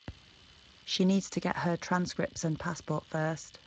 She needs to get her transcripts and passport first.